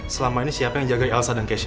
selama ini siapa yang jaga elsa dan cash